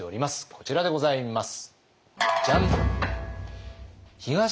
こちらでございます。